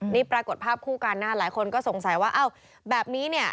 นี่ปรากฏภาพคู่กันนะหลายคนก็สงสัยว่าอ้าวแบบนี้เนี่ย